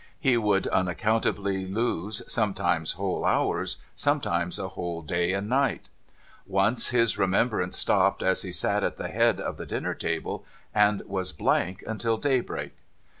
He would unaccountably lose, sometimes whole hours, sometimes a whole day and night. Once, his remembrance stopped as he sat at the head of the dinner table, and was blank until daybreak.